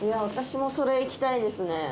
私もそれいきたいですね。